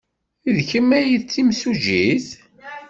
D kemm ay d timsujjit?